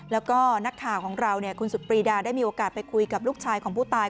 แล้วก็นักข่าวของเราคุณสุดปรีดาได้มีโอกาสไปคุยกับลูกชายของผู้ตาย